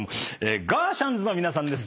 ガーシャンズの皆さんです。